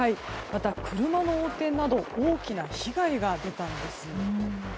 また、車の横転など大きな被害が出たんです。